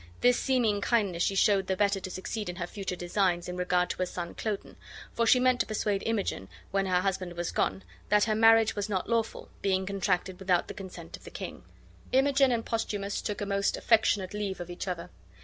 This seeming kindness she showed the better to succeed in her future designs in regard to her son Cloten, for she meant to persuade Imogen, when her husband was gone, that her marriage was not lawful, being contracted without the consent of the king. Imogen and Posthumus took a most affectionate leave of each other.